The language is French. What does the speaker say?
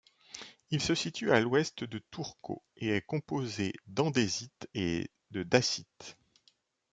Il se situe à l'ouest de Turco et est composé d'andésite et de dacite.